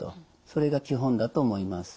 それが基本だと思います。